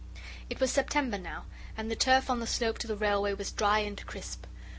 It was September now, and the turf on the slope to the Railway was dry and crisp.